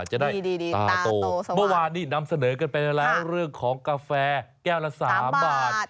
จะได้ตาโตเมื่อวานนี้นำเสนอกันไปแล้วเรื่องของกาแฟแก้วละ๓บาท